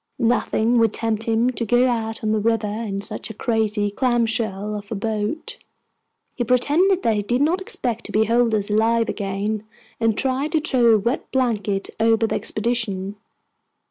Nothing would tempt him to go out on the river in such a crazy clam shell of a boat. He pretended that he did not expect to behold us alive again, and tried to throw a wet blanket over the expedition.